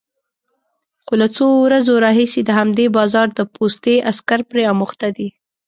خو له څو ورځو راهيسې د همدې بازار د پوستې عسکر پرې اموخته دي،